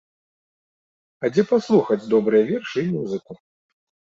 А дзе паслухаць добрыя вершы і музыку?